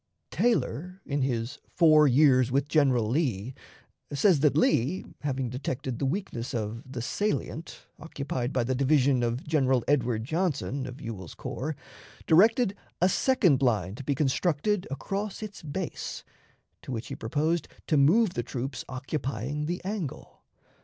Taylor, in his "Four Years with General Lee," says that Lee, having detected the weakness of "the salient" occupied by the division of General Edward Johnson, of Ewell's corps, directed a second line to be constructed across its base, to which he proposed to move the troops occupying the angle.